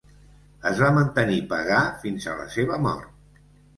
Es va mantenir pagà fins a la seva mort.